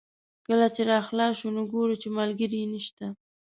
کله چې را خلاص شو نو ګوري چې ملګری یې نشته.